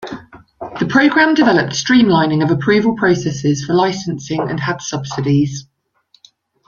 The program developed streamlining of approval processes for licensing and had subsidies.